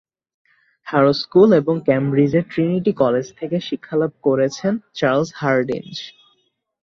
Harrow school এবং ক্যামব্রিজের Trinity college থেকে শিক্ষালাভ করেছেন চার্লস হার্ডিঞ্জ।